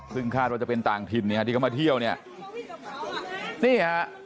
ซึ่งคาดว่าจะเป็นต่างถิ่นเนี่ยที่เขามาเที่ยวเนี่ยนี่ฮะ